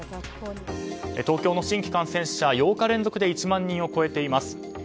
東京の新規感染者、８日連続で１万人を超えています。